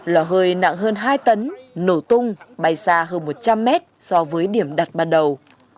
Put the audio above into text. lò hơi nặng hơn hai tấn nổ tung bay xa hơn một trăm linh mét so với điểm đặt ban đầu